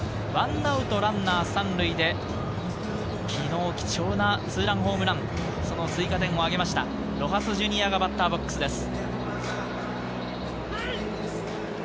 １アウトランナー３塁で昨日、貴重なツーランホームラン、追加点を挙げましたロハス・ジュニアがバッターボックスです。